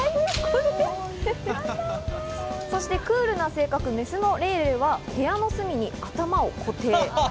そしてクールな性格、メスのレイレイは部屋の隅に頭を固定。